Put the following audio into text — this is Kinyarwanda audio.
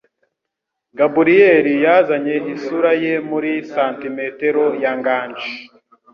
Gabriel yazanye isura ye muri santimetero ya Nganji.